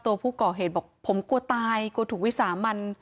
ตัวผู้ก่อเหตุบอกผมกลัวตายกลัวถูกวิสามัน